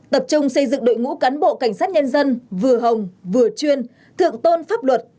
tập trung xây dựng đội ngũ cán bộ cảnh sát nhân dân vừa hồng vừa chuyên thượng tôn pháp luật